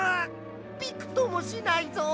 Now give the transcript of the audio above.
びくともしないぞ！